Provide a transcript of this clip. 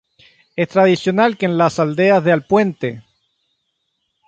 Es tradicional que en las Aldeas de Alpuente.